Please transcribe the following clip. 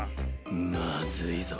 まずいぞ